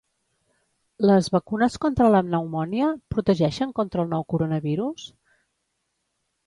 Les vacunes contra la pneumònia, protegeixen contra el nou coronavirus?